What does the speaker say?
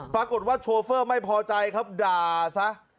ปรากฏว่าโชเฟอร์ไม่พอใจครับด่าซะ